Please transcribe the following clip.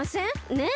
ねえ？